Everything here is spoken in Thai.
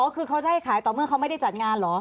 คือเขาจะให้ขายต่อเมื่อเขาไม่ได้จัดงานเหรอ